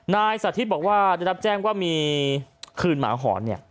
นายสาธิตบอกว่าได้รับแจ้งว่ามีคืนหมาหอนเนี่ย